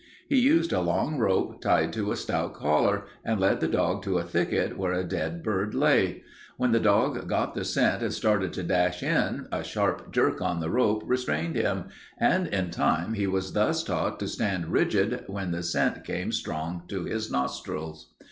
He used a long rope tied to a stout collar, and led the dog to a thicket where a dead bird lay. When the dog got the scent and started to dash in, a sharp jerk on the rope restrained him, and in time he was thus taught to stand rigid when the scent came strong to his nostrils.